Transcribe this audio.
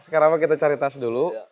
sekarang apa kita cari tas dulu